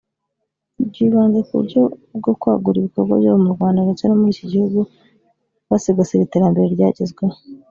byibanze ku buryo bwo kwagura ibikorwa byabo mu Rwanda ndetse no muri iki gihugu basigasira iterambere ryagezweho